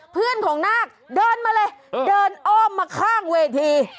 เพื่อนของนาคเดินมาเลยเดินอ้อมมาข้างเวที